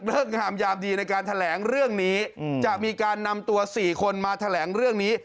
งามยามดีในการแถลงเรื่องนี้จะมีการนำตัว๔คนมาแถลงเรื่องนี้